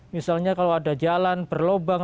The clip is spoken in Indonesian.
misalnya kalau ada jalan berlobang